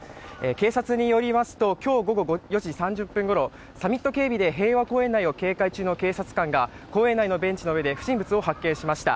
警察によりますと今日午後４時３０分ごろサミット警備で平和公園内を警戒中の警察官が公園内のベンチの上で不審物を発見しました。